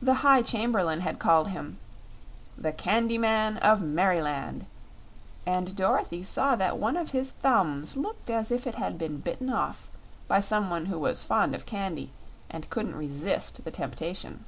The High Chamberlain had called him "The Candy Man of Merryland," and Dorothy saw that one of his thumbs looked as if it had been bitten off by some one who was fond of candy and couldn't resist the temptation.